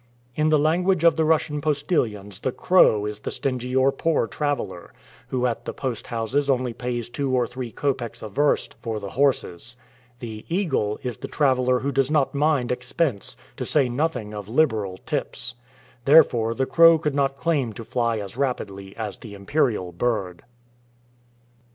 In the language of the Russian postillions the "crow" is the stingy or poor traveler, who at the post houses only pays two or three copecks a verst for the horses. The "eagle" is the traveler who does not mind expense, to say nothing of liberal tips. Therefore the crow could not claim to fly as rapidly as the imperial bird.